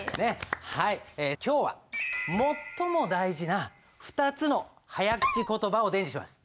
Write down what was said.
はい今日は最も大事な２つの早口言葉を伝授します。